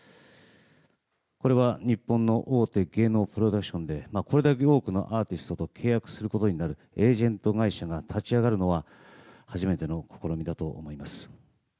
これは日本の大手芸能プロダクションでこれだけ多くのアーティストと契約することになるエージェント会社が立ち上がるのは初めての試みだと思います。